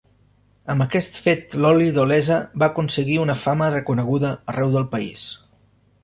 Amb aquest fet l'oli d'Olesa va aconseguir una fama reconeguda arreu del país.